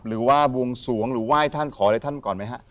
วงสวงหรือไหว้ท่านขออะไรท่านก่อนไหมฮะ